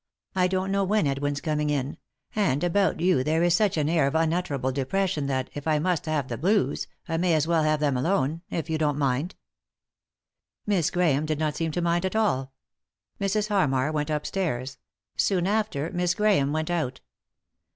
I don't know when Edwin's coming in ; and about you there is such an air of unutterable depression that, if I must have the blues, I may as well have them alone — if you don't mind." Miss Grahame did not seem to mind at all. Mrs. Hannar went upstairs ; soon after Miss Grahame Went out.